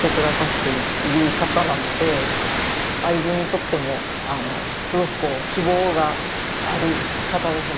会津にとってもすごくこう希望がある方ですね。